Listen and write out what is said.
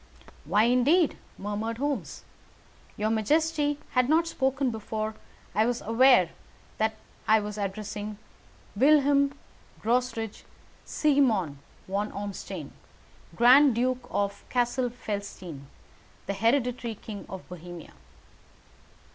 "Why, indeed?" murmured Holmes. "Your majesty had not spoken before I was aware that I was addressing Wilhelm Gottsreich Sigismond von Ormstein, Grand Duke of Cassel Felstein, and hereditary King of Bohemia."